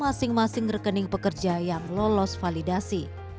langsung ke masing masing rekening pekerja yang lolos validasi